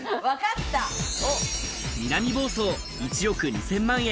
南房総、１億２０００万円